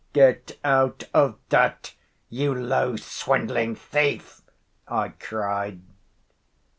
"Get out of that, you low, swindling thief!" I cried.